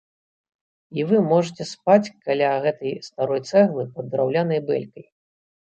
І вы можаце спаць каля гэтай старой цэглы пад драўлянай бэлькай.